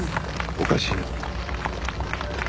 おかしいな。